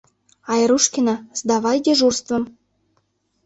Айрушкина, сдавай дежурствым!